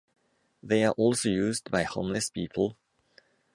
They are also used by homeless people.